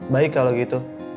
baik kalau gitu